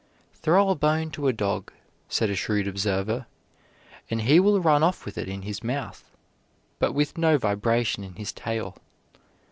Throw a bone to a dog, said a shrewd observer, and he will run off with it in his mouth, but with no vibration in his tail.